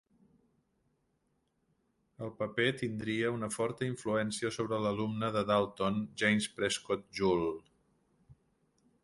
El paper tindria una forta influència sobre l'alumne de Dalton, James Prescott Joule.